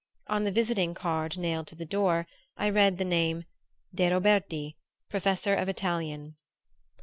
On the visiting card nailed to the door I read the name "De Roberti, Professor of Italian."